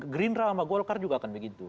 green ra sama golkar juga akan begitu